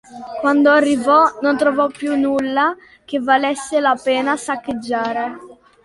Quando arrivò non trovò più nulla che valesse la pena saccheggiare.